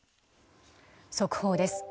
速報です。